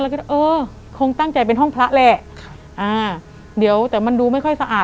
แล้วก็เออคงตั้งใจเป็นห้องพระแหละครับอ่าเดี๋ยวแต่มันดูไม่ค่อยสะอาด